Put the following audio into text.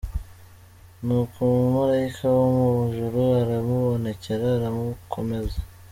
Nuko Umumalayika wo mu ijuru aramubonekera aramukomeza.